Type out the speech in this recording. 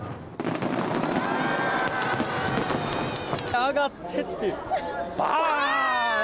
上がってって、ばーん！